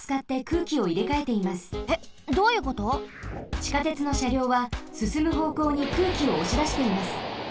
ちかてつのしゃりょうはすすむほうこうに空気をおしだしています。